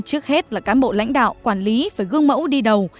trước hết là cán bộ lãnh đạo quản lý phải gương mẫu đi đầu